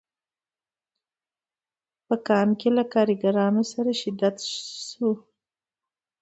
په کان کې له کارګرانو سره شدت کم شو